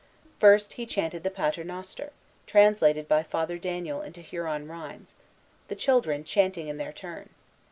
First he chanted the Pater Noster, translated by Father Daniel into Huron rhymes, the children chanting in their turn.